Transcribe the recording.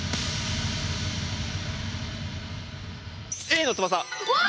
Ａの翼！わ！